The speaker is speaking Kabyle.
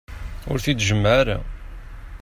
Ur t-id-jemmeε ara.